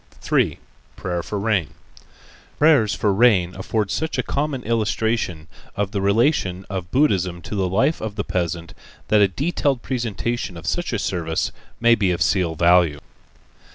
3. Prayer for Rain Prayers for rain afford such a common illustration of the relation of Buddhism to the life of the peasant that a detailed presentation of such a service may be of seal value.